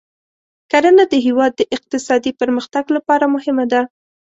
کرنه د هېواد د اقتصادي پرمختګ لپاره مهمه ده.